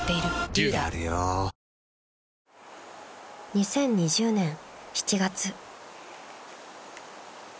２０２０年７月］